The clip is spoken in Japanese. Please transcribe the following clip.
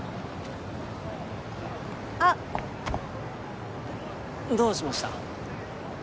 あっどうしました？